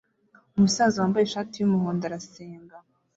umusaza wambaye ishati yumuhondo arasenga